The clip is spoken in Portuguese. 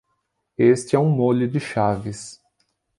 Este é um molho de chaves